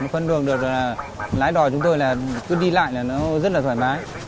phân đường được là lái đò chúng tôi là cứ đi lại là nó rất là thoải mái